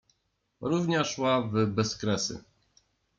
Równia szła w bezkresy.